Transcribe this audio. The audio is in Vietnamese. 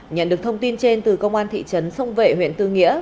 nhận được thông tin trên từ công an thị trấn sông vệ huyện tư nghĩa